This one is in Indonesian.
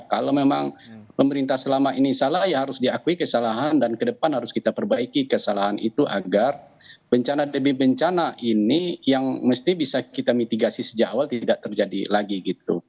kalau memang pemerintah selama ini salah ya harus diakui kesalahan dan ke depan harus kita perbaiki kesalahan itu agar bencana demi bencana ini yang mesti bisa kita mitigasi sejak awal tidak terjadi lagi gitu